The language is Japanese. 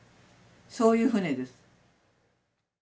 そういう船です。